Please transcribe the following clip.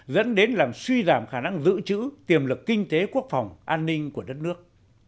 dẫn đến làm suy giảm khả năng giữ chữ tiềm lực kinh tế quốc phòng an ninh của đất nước